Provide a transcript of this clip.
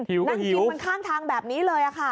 นั่งกินมันข้างทางแบบนี้เลยค่ะ